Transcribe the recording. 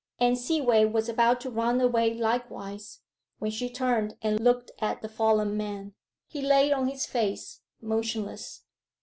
Anne Seaway was about to run away likewise, when she turned and looked at the fallen man. He lay on his face, motionless.